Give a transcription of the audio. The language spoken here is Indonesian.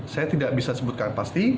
saya tidak bisa sebutkan pasti